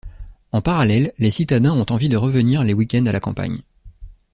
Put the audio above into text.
En parallèle, les citadins ont envie de revenir les weekends à la campagne.